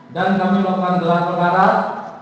dan kami melakukan gelar pengarah